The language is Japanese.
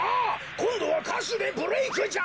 こんどはかしゅでブレークじゃ！